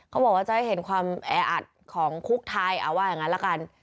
เขาบอกว่าจะให้เห็นความแออัดของคุกไทยเอาว่าอย่างนั้นละกัน